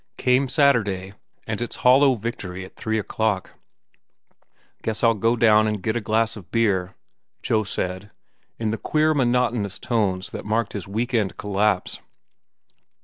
Came Saturday and its hollow victory at three o'clock. "Guess I'll go down an' get a glass of beer," Joe said, in the queer, monotonous tones that marked his week end collapse.